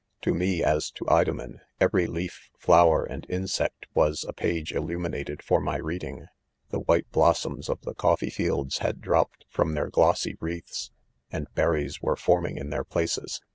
To me, as to Idomen, every leaf, flower. and insect, was a page illuminated for my reading. The white blossoms of the coffee fields had dropped from their glossy wreathes, and ber lies were forming in their places.